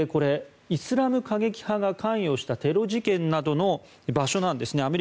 イスラム過激派が関与したテロ事件などの場所なんですね。